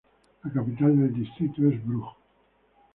La capital del distrito es Brugg.